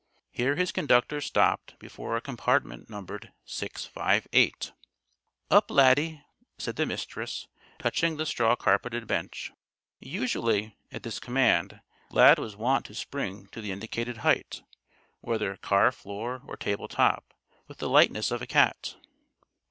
Here his conductors stopped before a compartment numbered "658." "Up, Laddie!" said the Mistress, touching the straw carpeted bench. Usually, at this command, Lad was wont to spring to the indicated height whether car floor or table top with the lightness of a cat.